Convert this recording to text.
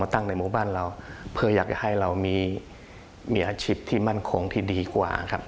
ในหมู่บ้านเราเพื่ออยากจะให้เรามีอาชีพที่มั่นคงที่ดีกว่าครับ